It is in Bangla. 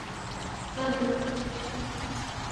দাঁত বের করছিস কেন!